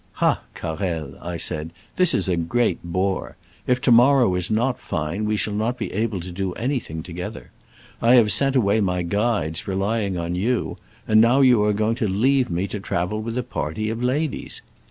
"Ha, Carrel," I said, "this is a great bore. If to morrow is not fine, we shall not be able to do anything together. I have sent away my guides, relying on you, and now you are going to leave me to travel with a party of ladies.